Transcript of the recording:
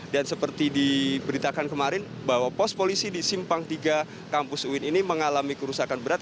dan seperti diberitakan kemarin bahwa pos polisi di simpang tiga kampus uin ini mengalami kerusakan berat